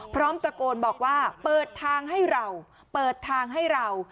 พร้อมตะโกนบอกว่าเปิดทางให้เราเปิดทางให้เรา